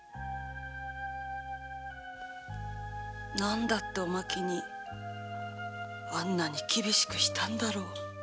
なんだってお槙にあんなに厳しくしたんだろう？